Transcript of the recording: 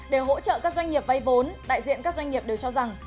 để hỗ trợ các doanh nghiệp vay vốn đại diện các doanh nghiệp đều cho rằng